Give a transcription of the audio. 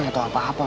nggak tahu apa apa